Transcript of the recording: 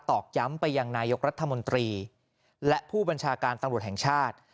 อกย้ำไปยังนายกรัฐมนตรีและผู้บัญชาการตำรวจแห่งชาติ